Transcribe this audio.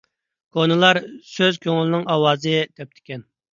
كونىلار: «سۆز كۆڭۈلنىڭ ئاۋازى» دەپتىكەن.